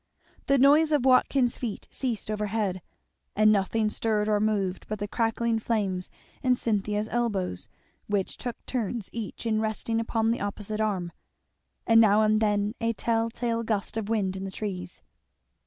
The noise of Watkins' feet ceased overhead, and nothing stirred or moved but the crackling flames and Cynthia's elbows, which took turns each in resting upon the opposite arm, and now and then a tell tale gust of wind in the trees.